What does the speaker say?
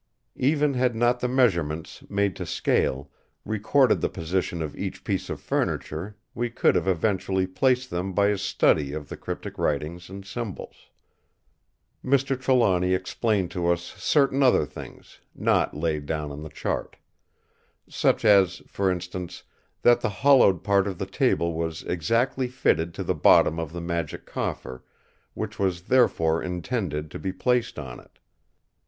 Even had not the measurements, made to scale, recorded the position of each piece of furniture, we could have eventually placed them by a study of the cryptic writings and symbols. Mr. Trelawny explained to us certain other things, not laid down on the chart. Such as, for instance, that the hollowed part of the table was exactly fitted to the bottom of the Magic Coffer, which was therefore intended to be placed on it.